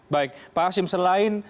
baik pak hashim selain